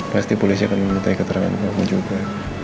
pasti polisi akan meminta keterangan kamu juga